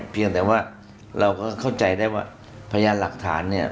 เพียงแต่ว่าเราก็เข้าใจได้ว่าพยานหลักฐานเนี่ย